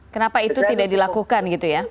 kenapa itu tidak dilakukan gitu ya